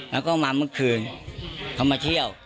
แล้วก็มาเมื่อคืนเขามาเที่ยว